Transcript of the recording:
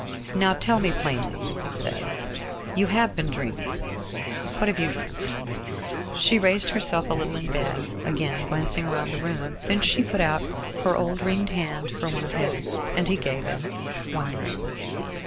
"Now tell me plainly," he said. "You have been dreaming. What have you dreamt?" She raised herself a little in bed, again glancing round the room; then she put out her old ringed hand for one of his, and he gave it, wondering.